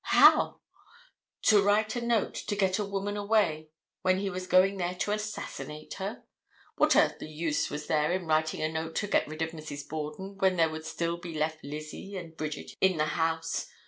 How! To write a note to get a woman away when he was going there to assassinate her? What earthly use was there in writing a note to get rid of Mrs. Borden, when there would still be left Lizzie and Bridget in the house?